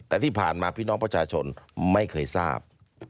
แต่ที่ผ่านมาพี่น้องประชาชนไม่เคยทราบ